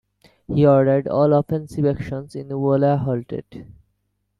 He ordered all offensive actions in Wola halted.